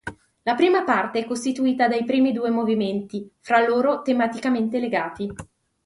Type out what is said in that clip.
La prima parte è costituita dai primi due movimenti, fra loro tematicamente legati.